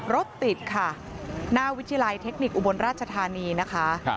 รถติดค่ะหน้าวิทยาลัยเทคนิคอุบลราชธานีนะคะ